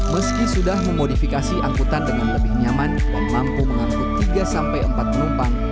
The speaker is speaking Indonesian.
meski sudah memodifikasi angkutan dengan lebih nyaman dan mampu mengangkut tiga empat penumpang